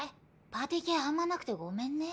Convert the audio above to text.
パーティー系あんまなくてごめんね。